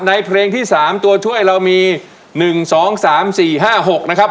ในเพลงที่สามตัวช่วยเรามีหนึ่งสองสามสี่ห้าหกนะครับ